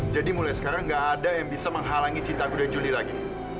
jadi mulai sekarang gak ada yang bisa menghalangi cinta aku dan julie lagi